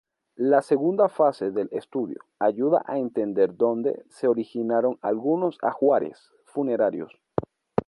La segunda fase del estudio, ayuda a entender dónde se originaron algunos ajuares funerarios.